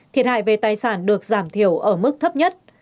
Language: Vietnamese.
thiệt hại về tài sản được giảm thiểu ở mức thấp nhất